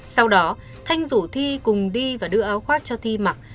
sau đó thanh rủ thi cùng đi và đưa áo khoát cho thi mặc